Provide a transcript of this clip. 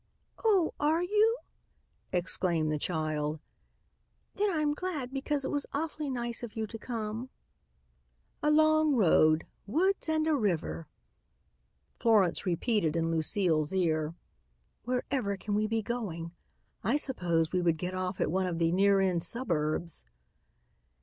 "Oh, are you?" exclaimed the child. "Then I'm glad, because it was awfully nice of you to come." "A long road, woods and a river," Florence repeated in Lucile's ear. "Wherever can we be going? I supposed we would get off at one of the near in suburbs."